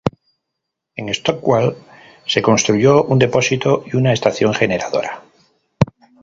En Stockwell se construyó un depósito y una estación generadora.